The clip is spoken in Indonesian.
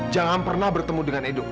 jangan pernah bertemu dengan eduka